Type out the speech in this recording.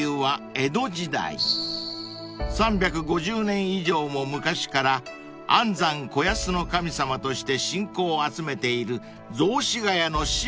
［３５０年以上も昔から安産・子育の神様として信仰を集めている雑司が谷のシンボル］